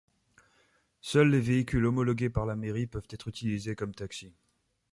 Seuls les véhicules homologués par la mairie peuvent être utilisés comme taxi.